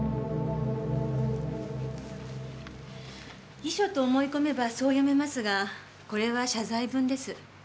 遺書と思い込めばそう読めますがこれは謝罪文です。